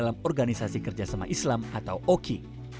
dalam organisasi kerjasama islam atau oki